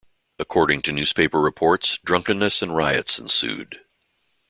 According to newspaper reports drunkenness and riots ensued.